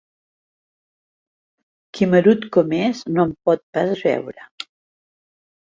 Quimerut com és, no em pot pas veure.